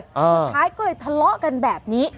สุดท้ายก็เลยทะเลาะกันแบบนี้